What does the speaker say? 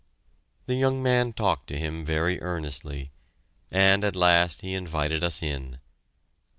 The young man talked to him very earnestly, and at last he invited us in.